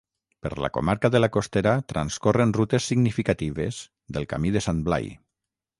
Per la comarca de la Costera transcorren rutes significatives del Camí de Sant Blai